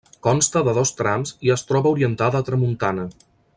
Consta de dos trams i es troba orientada a tramuntana.